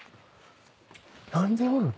何でおるん？